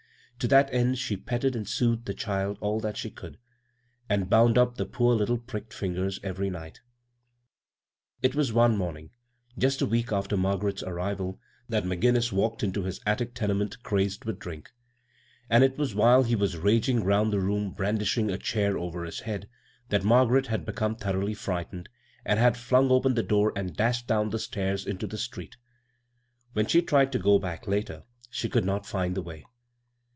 To that end she petted and soothed the child all that she could, and bound up the poor tittle pricked fingers every night It was one morning, just a week after Mar garet's arrival, that McGinnis walked into his attic tenement cra2ed with drink ; and it was while he was raging around the room, bran dishing a chair over his head, that Margaret had become thoroughly frightened, and had flmig open the door and dashed down the stairs into the street. When she tried to go back later, she could not find the way.